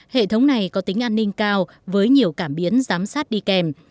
hệ thống này có tính an ninh cao với nhiều cảm biến giám sát đi kèm